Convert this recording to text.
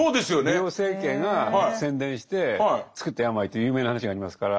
美容整形が宣伝してつくった病という有名な話がありますから。